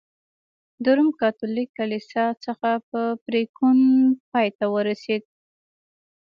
د روم کاتولیک کلیسا څخه په پرېکون پای ته ورسېد.